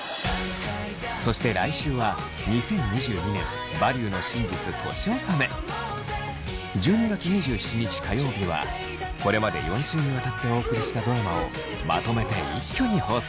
そして来週は１２月２７日火曜日はこれまで４週にわたってお送りしたドラマをまとめて一挙に放送。